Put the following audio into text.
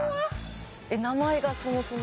えっ名前がそもそも。